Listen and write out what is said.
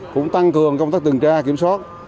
cũng tăng cường công tác tường tra kiểm soát